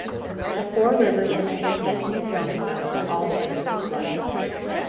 The four rivers which intersect near Jonesville are all subject to flooding.